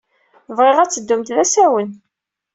Bɣiɣ ad teddumt d asawen.